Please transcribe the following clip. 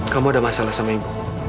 kamu ada masalah sama ibu